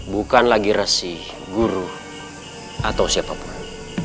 bukan lagi resi guru atau siapapun